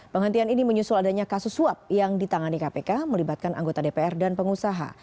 penghentian ini menyusul adanya kasus suap yang ditangani kpk melibatkan anggota dpr dan pengusaha